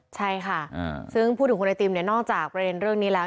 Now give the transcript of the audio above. ใช่ค่ะซึ่งพูดถึงคุณไอติมเนี่ยนอกจากประเด็นเรื่องนี้แล้ว